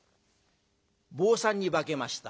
「坊さんに化けました」。